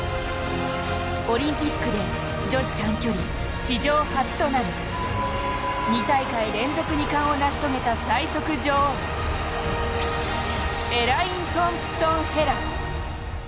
オリンピックで女子短距離史上初となる２大会連続２冠を成し遂げた最速女王エライン・トンプソン・ヘラ。